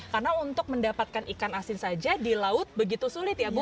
karena untuk mendapatkan ikan asin saja di laut begitu sulit ya ibu